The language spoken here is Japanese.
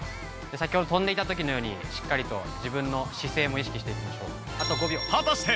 先ほど跳んでいた時のようにしっかりと自分の姿勢も意識していきましょう。